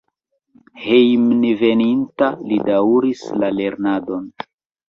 Hejmenveninta li daŭris la lernadon.